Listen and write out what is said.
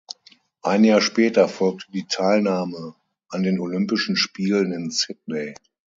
Ein Jahr später folgte die Teilnahme an den Olympischen Spielen in Sydney.